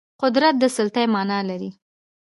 قدرت د سلطې معنا لري